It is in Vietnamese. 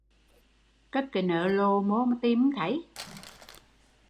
Cất cái nớ lộ mô mà tìm không thấy?